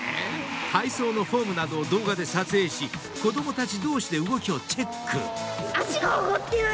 体操のフォームなどを動画で撮影し子供たち同士で動きをチェック］